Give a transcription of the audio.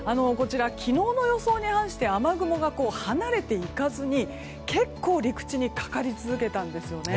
昨日の予想に反して雨雲が離れていかずに結構、陸地にかかり続けたんです。